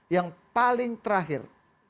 yang paling terakhir